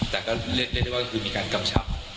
แต่ก็เรียกได้ว่าคือมีการกำชับ